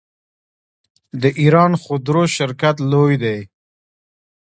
د ایران خودرو شرکت لوی دی.